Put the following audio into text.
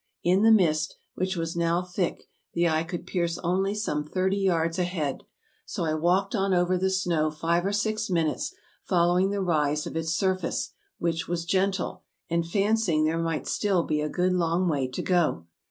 In the mist, which was now thick, the eye could pierce only some thirty yards ahead ; so I walked on over the snow five or six minutes, following the rise of its surface, which was gentle, and fancy ing there might still be a good long way to go.